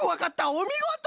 おみごと！